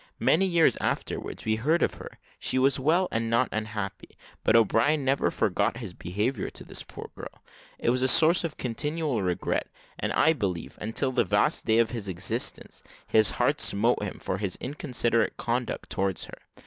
Many years afterwards, we heard of her she was well, and not unhappy but O'Brien never forgot his behaviour to this poor girl. It was a source of continual regret; and I believe, until the last day of his existence, his heart smote him for his inconsiderate conduct towards her.